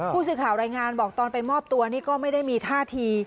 ผู้สื่อข่าวรายงานบอกตอนไปมอบตัวนี่ก็ไม่ได้มีท่าที